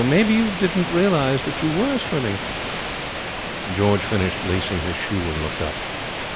Maybe you didn't realize that you were swimming?' George finished lacing his shoe and looked up.